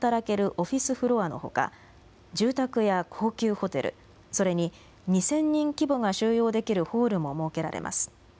オフィスフロアのほか、住宅や高級ホテル、それに２０００人規模が収容できるホールも設けられます。